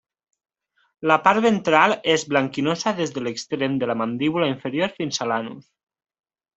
La part ventral és blanquinosa des de l'extrem de la mandíbula inferior fins a l'anus.